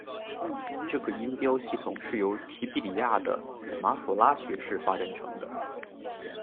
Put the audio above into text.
这个音标系统是由提比哩亚的马所拉学士发展成的。